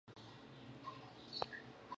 هغه وویل، انعطاف د بریالیتوب برخه ده.